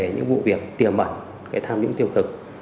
những vụ việc tiềm ẩn cái tham nhũng tiêu cực